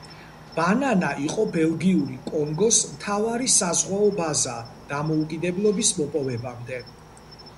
ბანანა იყო ბელგიური კონგოს მთავარი საზღვაო ბაზა დამოუკიდებლობის მოპოვებამდე.